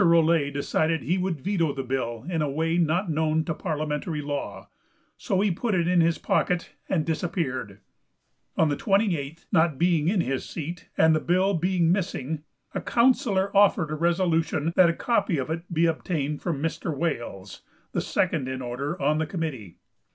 Rolette decided he would veto the bill in a way not known to parliamentary law, so he put it in his pocket and disappeared. On the 28th, not being in his seat, and the bill being missing, a councillor offered a resolution that a copy of it be obtained from Mr. Wales, the second in order on the committee.